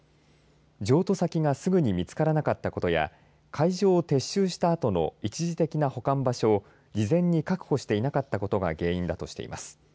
譲渡先がすぐに見つからなかったことや会場を撤収したあとの一時的な保管場所を事前に確保していなかったことが原因だとしています。